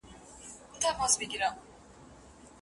افغانستان د سیمي د امنیتي ثبات د خرابولو پريکړه نه کوي.